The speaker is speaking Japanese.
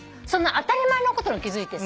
当たり前のことに気付いてさ。